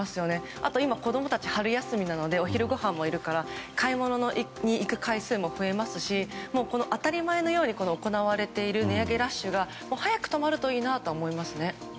あと今、子供たち春休みなのでお昼ごはんもいるから買い物に行く回数も増えますし当たり前のように行われている値上げラッシュが早く止まるといいなと思いますね。